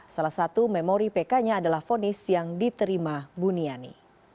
salah satu memori pk nya adalah fonis yang diterima buniani